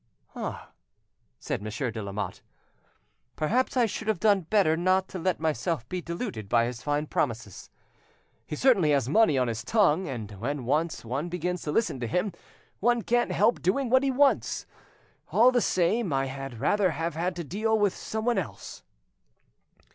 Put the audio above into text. "Ah!" said Monsieur de Lamotte, "perhaps I should have done better not to let myself be deluded by his fine promises. He certainly has money on his tongue, and when once one begins to listen to him, one can't help doing what he wants. All the same, I had rather have had to deal with someone else."